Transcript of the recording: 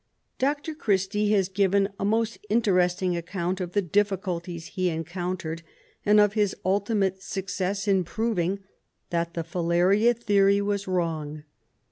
Dr. Christy has given a most interesting account of the difficulties he encountered, and of his ultimate success in proving that the filaria theory was wrong.